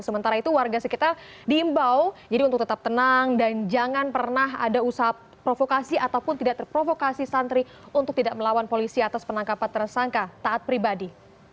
sementara itu warga sekitar diimbau jadi untuk tetap tenang dan jangan pernah ada usaha provokasi ataupun tidak terprovokasi santri untuk tidak melawan polisi atas penangkapan tersangka taat pribadi